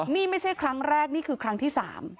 นี่ไม่ใช่ครั้งแรกนี่คือครั้งที่๓